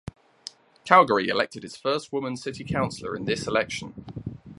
Calgary elected its first woman city councillor in this election.